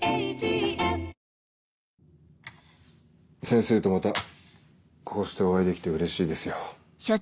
先生とまたこうしてお会いできてうれしいですよ。